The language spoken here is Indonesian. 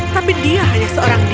tapi dia hanya seorang diri